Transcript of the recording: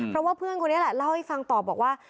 เพราะว่าเพื่อนคนนี้แหละเล่าให้ฟังต่อบอกว่า